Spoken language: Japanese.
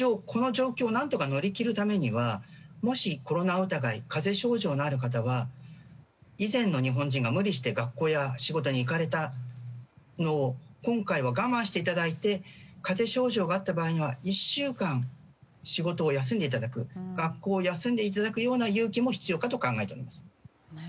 この状況を何とか乗り切るためにはもしコロナ疑い風邪症状のある方は以前の日本人が無理をして学校や仕事に行かれたのを今回は我慢していただいて風邪症状があった場合は１週間、仕事や学校を休んでいただくような勇気も必要かと思います。